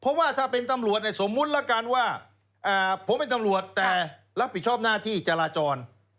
เพราะว่าถ้าเป็นตำรวจเนี่ยสมมุติละกันว่าผมเป็นตำรวจแต่รับผิดชอบหน้าที่จราจร